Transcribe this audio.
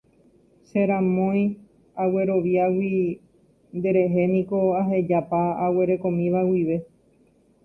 Che ramói, agueroviágui nderehe niko ahejapa aguerekomíva guive.